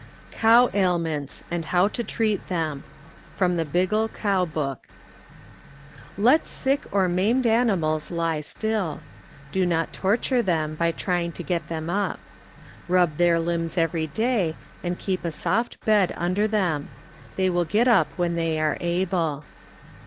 i,db,Google CTABSIFIED BD8INE8S DIEECTOBY Cow Ailments and How to Treat Them (From th┬½ Bicgls Cow Book) Let sick or maimed animals lie still. Do not torture them by trying to get them up. Rub their limbs every day and keep a soft bed under them. They will get up when they are able.